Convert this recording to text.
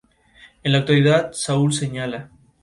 En la actualidad Saúl Señala.